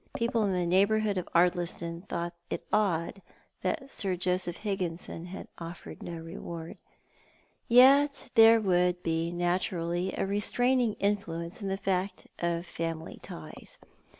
People in the neighbourhood of Ardliston thought it odd that Sir Joseph Higginson had offered no reward. Y''et there would be naturally a restraining influence in the fact of family tics.